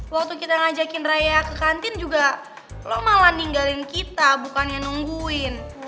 waktu kita ngajakin raya ke kantin juga lo malah ninggalin kita bukannya nungguin